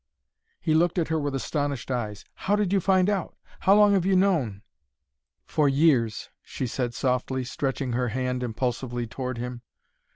He looked at her with astonished eyes. "How did you find it out? How long have you known?" "For years," she said softly, stretching her hand impulsively toward him.